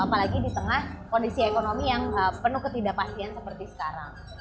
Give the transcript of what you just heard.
apalagi di tengah kondisi ekonomi yang penuh ketidakpastian seperti sekarang